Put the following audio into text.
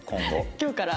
今日から。